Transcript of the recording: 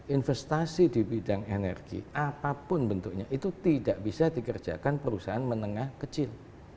investasi di bidang energi apapun bentuknya itu tidak bisa dikerjakan perusahaan menengah kecil